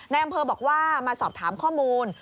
อำเภอบอกว่ามาสอบถามข้อมูล